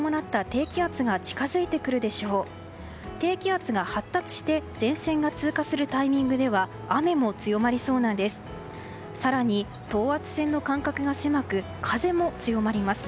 低気圧が発達して前線が通過するタイミングでは雨も強まりそうなんです。